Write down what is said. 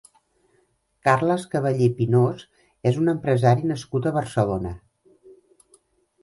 Carles Cavallé Pinós és un empresari nascut a Barcelona.